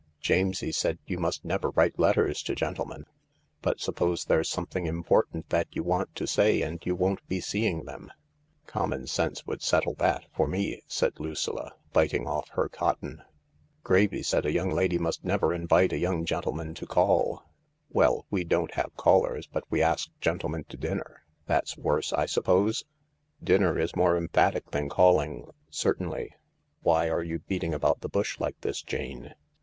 " Jamesie said you must never write letters to gentlemen ; but suppose there's something important that you want to say and you won't be seeing them ?"" Common sense would settle that— for me," said Lucilla, biting off her cotton. " Gravy said a young lady must never invite a young THE LARK 205 gentleman to call. Well, we don't have callers, but we ask gentlemen to dinner — that's worse, I suppose ?"" Dinner is more emphatic than calling, certainly. Why are you beating about the bush like this, Jane